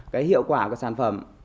cái hiệu quả của sản phẩm